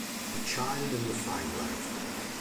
The Child and the Fiddler